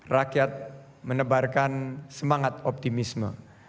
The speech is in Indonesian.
rakyat menebarkan semangat optimisme